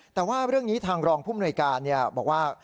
แต่ว่าเรื่องนี้ทางรองผู้มนวยการบอกว่า